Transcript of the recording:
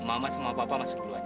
mama sama papa masuk duluan ya